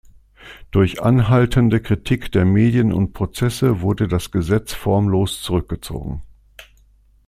Durch anhaltende Kritik der Medien und Prozesse wurde das Gesetz formlos zurückgezogen.